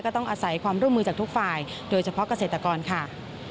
ต้องอาศัยความร่วมมือจากทุกฝ่ายโดยเฉพาะเกษตรกรค่ะ